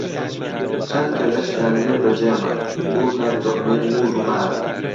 چەند کەلەشیان لێ بە جێ ما، بوونە توعمەی موور و مار